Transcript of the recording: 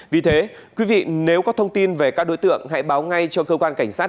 vì thế quý vị nếu có thông tin về các đối tượng hãy báo ngay cho cơ quan cảnh sát